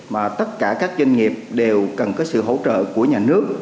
mà tất cả các doanh nghiệp đều cần có sự hỗ trợ của nhà nước